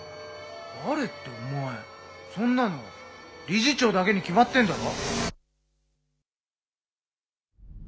誰ってお前そんなの理事長だけに決まってんだろ？